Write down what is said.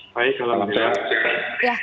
baik selamat siang